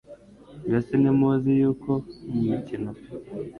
Mbese ntimuzi yuko mu mikino,